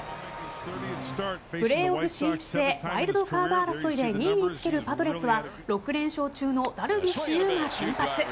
プレーオフ進出へワイルドカード争いで２位につけるパドレスは６連勝中のダルビッシュ有が先発。